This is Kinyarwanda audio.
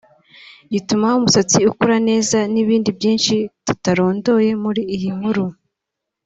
gituma umusatsi ukura neza n’ibindi byinshi tutarondoye muri iyi nkuru